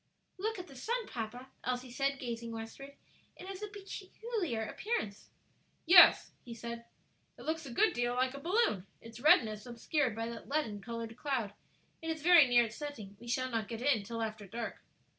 "Look at the sun, papa," Elsie said, gazing westward. "It has a very peculiar appearance." "Yes," he said, "it looks a good deal like a balloon; it's redness obscured by that leaden colored cloud. It is very near its setting; we shall not get in till after dark."